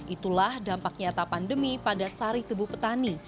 itulah dampak nyata pandemi pada sari tebu petani